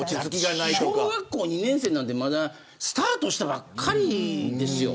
小学校２年生なんてまだスタートしたばかりですよ。